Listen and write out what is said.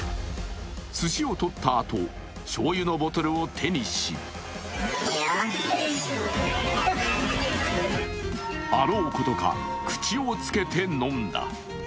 すしをとったあとしょうゆのボトルを手にしあろうことか、口をつけて飲んだ。